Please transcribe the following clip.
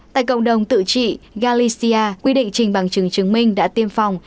tại cộng đồng tự trị galisia quy định trình bằng chứng chứng minh đã tiêm phòng